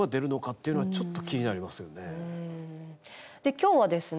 今日はですね